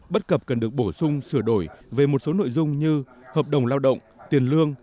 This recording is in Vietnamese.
bất cập cần được bổ sung sửa đổi về một số nội dung như hợp đồng lao động tiền lương